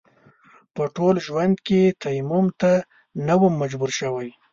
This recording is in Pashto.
په ټول ژوند کې تيمم ته نه وم مجبور شوی.